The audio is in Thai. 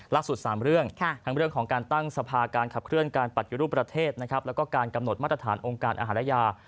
๓เรื่องทั้งเรื่องของการตั้งสภาการขับเคลื่อนการปฏิรูปประเทศนะครับแล้วก็การกำหนดมาตรฐานองค์การอาหารและยา